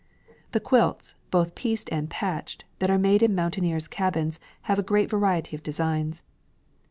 The quilts, both pieced and patched, that are made in mountaineers' cabins have a great variety of designs.